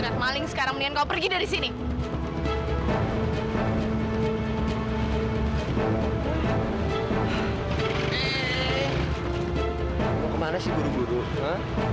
jangan jangan ada hubungannya sama mita